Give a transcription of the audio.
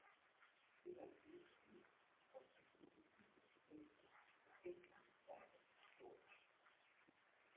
Together these peaks form an impressive group on the Washington side of the Gorge.